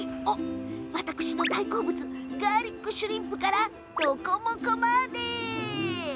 私の大好物ガーリックシュリンプからロコモコまで！